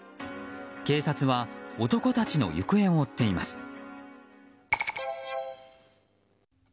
警察は男たちの行方を追っています。